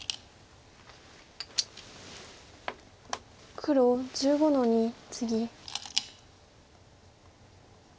黒１５の二ツギ。